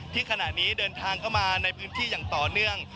ขณะนี้เดินทางเข้ามาในพื้นที่อย่างต่อเนื่อง